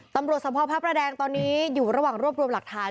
ตำรวจสมภาพพระประแดงตอนนี้อยู่ระหว่างรวบรวมหลักฐาน